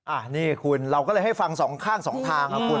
อ่ะนี่คุณเราก็เลยให้ฟัง๒ข้าง๒ทางค่ะคุณ